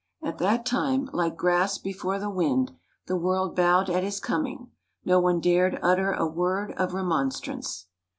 At that time, like grass before the wind, the world bowed at his coming; no one dared utter a word of remonstrance.